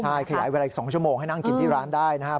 ใช่ขยายเวลาอีก๒ชั่วโมงให้นั่งกินที่ร้านได้นะครับ